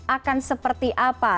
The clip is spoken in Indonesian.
akan seperti apa